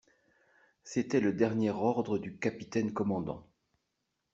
C'était le dernier ordre du capitaine commandant.